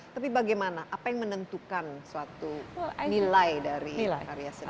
tapi bagaimana apa yang menentukan suatu nilai dari karya seni